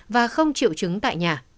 và không triệu chứng tại nhà